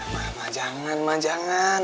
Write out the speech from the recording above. mama jangan mama jangan